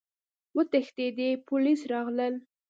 وتښتئ! پوليس راغلل!